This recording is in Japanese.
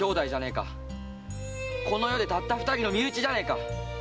この世でたった二人の身内じゃねえか！